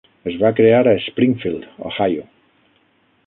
Es va crear a Springfield, Ohio.